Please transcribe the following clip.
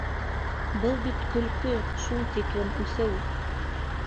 Был бит көлкө —шул тиклем үҫеү!